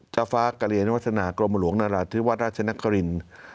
เจ้าฟ้ากริยนวัฒนากรมหลวงนราชทฤวรรณราชนักกริณ